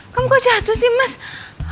kamu kok jatuh